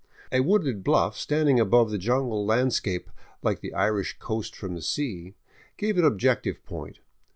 A wooded bluff standing above the jungle landscape, like the Irish coast from the sea, gave an objective point.